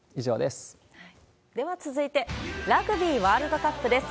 では続いて、ラグビーワールドカップです。